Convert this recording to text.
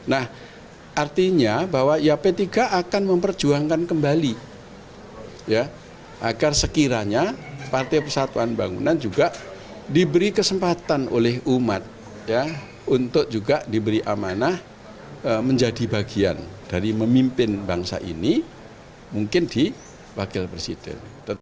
nah artinya bahwa ya p tiga akan memperjuangkan kembali ya agar sekiranya partai persatuan pembangunan juga diberi kesempatan oleh umat ya untuk juga diberi amanah menjadi bagian dari memimpin bangsa ini mungkin di wakil presiden